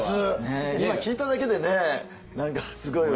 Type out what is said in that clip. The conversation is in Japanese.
今聞いただけでね何かすごいわ。